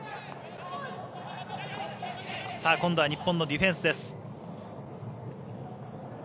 今度は日本のディフェンスです。